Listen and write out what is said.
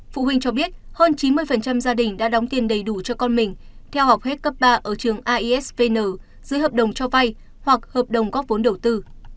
phụ huynh cho biết hơn chín mươi gia đình đã đóng tiền đầy đủ cho con mình theo học hết cấp ba ở trường aisvn dưới hợp đồng cho vay hoặc hợp đồng góp vốn đầu tư